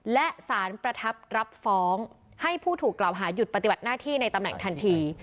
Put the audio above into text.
และสารประทับรับฟ้องให้ผู้ถูกกล่าวหาหยุดปฏิบัติหน้าที่ในตำแหน่งทันที